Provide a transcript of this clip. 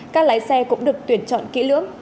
các lái xe cũng được tuyển chọn kỹ lưỡng